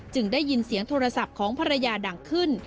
ได้ยินเสียงโทรศัพท์ของภรรยาดังขึ้น